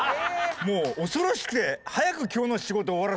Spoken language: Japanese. もう恐ろしくて。